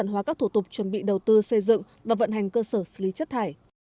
hóa các thủ tục chuẩn bị đầu tư xây dựng và vận hành cơ sở xử lý chất thải